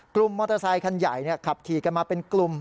มอเตอร์ไซคันใหญ่ขับขี่กันมาเป็นกลุ่ม